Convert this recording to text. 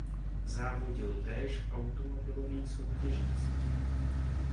Závodil též v automobilových soutěžích.